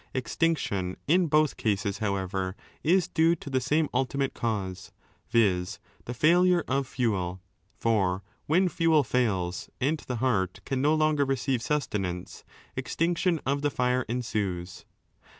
Extinction in both cases, however, is due to the same ultimate cause, viz. the failure of fuel, for when fuel fails and the heart can no longer receive sustenance, extinction of the fire ensues.